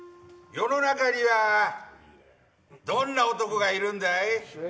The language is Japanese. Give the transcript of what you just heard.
世の中にはどんな男がいるんだい。